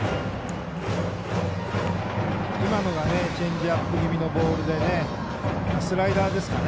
今のがチェンジアップ気味のボールでスライダーですかね。